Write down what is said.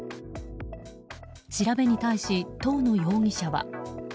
調べに対し、東野容疑者は。